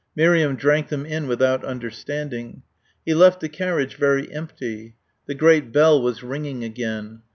Miriam drank them in without understanding. He left the carriage very empty. The great bell was ringing again.